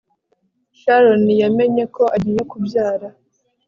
Sharon yamenye ko agiye kubyara